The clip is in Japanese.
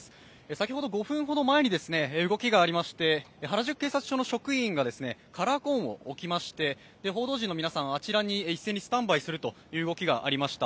先ほど５分ほど前に動きがありまして原宿警察署の職員がカラーコーンをおきまして報道陣の皆さんはあちらに一斉にスタンバイするという動きがありました。